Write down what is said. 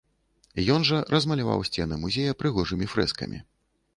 Ён жа размаляваў сцены музея прыгожымі фрэскамі.